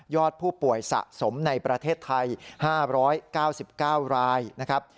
ผู้ป่วยสะสมในประเทศไทย๕๙๙รายนะครับ